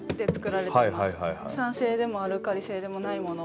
酸性でもアルカリ性でもないものを。